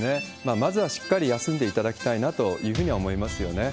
まずはしっかり休んでいただきたいなというふうには思いますよね。